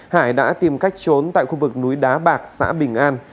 hải đã tìm cách trốn tại khu vực núi đá bạc xã bình an